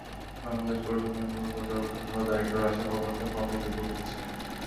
বাংলাদেশ পরিসংখ্যান ব্যুরোর পর্যবেক্ষণ হলো, দারিদ্র্য হ্রাসের প্রবণতা ক্রমেই দুর্বল হচ্ছে।